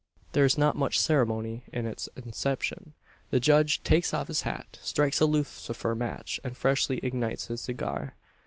There is not much ceremony in its inception. The judge takes off his hat strikes a lucifer match; and freshly ignites his cigar.